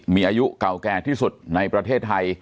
มีอายุเก่าแก่ที่สุดในประเทศไทย